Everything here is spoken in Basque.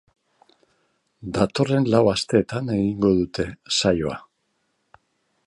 Datozen lau asteetan egingo dute saioa.